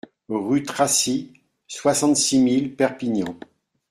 Rue Tracy, soixante-six mille Perpignan